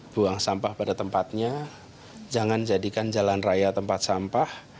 buang sampah pada tempatnya jangan jadikan jalan raya tempat sampah